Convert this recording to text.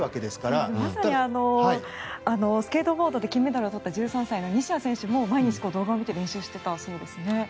まさにスケートボードで金メダルを取った西矢選手も毎日動画を見て練習していたそうです。